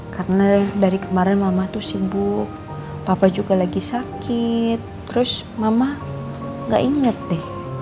karena dari kemarin mama tuh sibuk papa juga lagi sakit terus mama gak inget deh